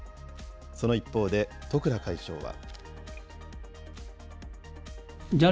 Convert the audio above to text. その一方で十倉会長は。